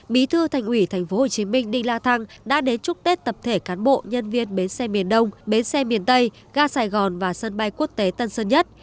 bí thư thành ủy tp hcm đi la thăng đã đến chúc tết tập thể cán bộ nhân viên bến xe miền đông bến xe miền tây ga sài gòn và sân bay quốc tế tân sơn nhất